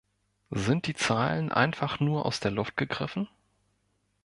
Sind die Zahlen einfach nur aus der Luft gegriffen?